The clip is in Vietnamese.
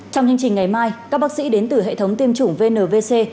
trong chương trình ngày mai các bác sĩ đến từ hệ thống tiêm chủng vnvc